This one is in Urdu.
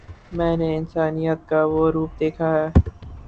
میں نے انسانیت کا وہ روپ دیکھا